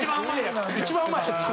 一番うまいやつ。